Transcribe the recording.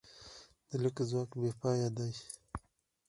د لیک ځواک بېپایه دی.